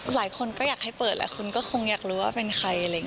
หลายคนก็อยากให้เปิดแล้วคุณคงคงอยากรู้ว่าเป็นใคร